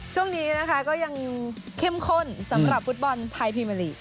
ช่วงนี้นะคะก็ยังเข้มข้นสำหรับฟุตบอลไทยพรีเมอร์ลีก